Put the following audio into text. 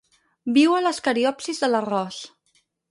Viu a les cariopsis de l'arròs.